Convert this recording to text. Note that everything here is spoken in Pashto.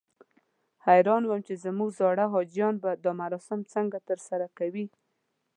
حیران وم چې زموږ زاړه حاجیان به دا مراسم څنګه ترسره کوي.